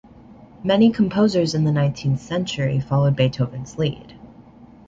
Many composers in the nineteenth century followed Beethoven's lead.